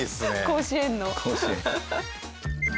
甲子園の。